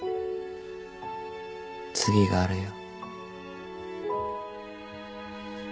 次があるよ。